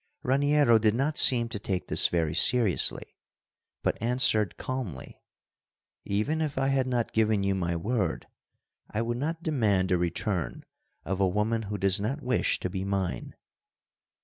Raniero did not seem to take this very seriously, but answered calmly: "Even if I had not given you my word, I would not demand the return of a woman who does not wish to be mine."